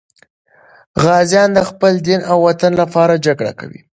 غازیان د خپل دین او وطن لپاره جګړه کوي.